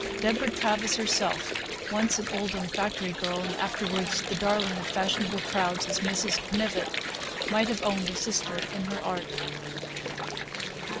Deborah Travers herself (once an Oldham factory girl, and afterwards the darling of fashionable crowds as Mrs. Knyvett) might have owned a sister in her art.